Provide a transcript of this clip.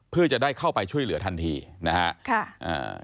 เพื่อจะได้เข้าไปช่วยเหลือทันทีนะฮะค่ะอ่า